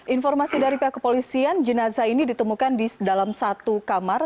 informasi dari pihak kepolisian jenazah ini ditemukan di dalam satu kamar